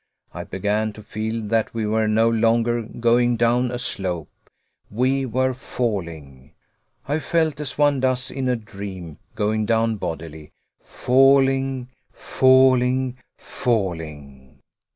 I began to feel that we were no longer going down a slope; we were falling. I felt as one does in a dream, going down bodily falling; falling; falling!